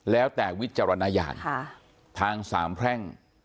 แล้วแต่วิจารณญาณทางสามแพร่ง